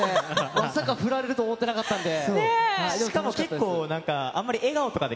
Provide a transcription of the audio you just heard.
まさか振られると思っていなかったんで。